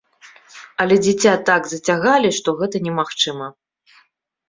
Але дзіця так зацягалі, што гэта немагчыма.